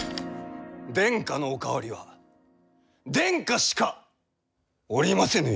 殿下のお代わりは殿下しかおりませぬゆえ。